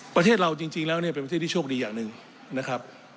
ประเทศเราจริงแล้วเนี่ยเป็นประเทศที่โชคดีอย่างหนึ่งนะครับ